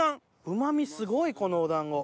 うま味すごいこのお団子。